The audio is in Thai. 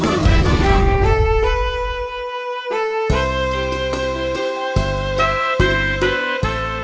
ร้องได้ให้ร้าง